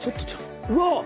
うわ！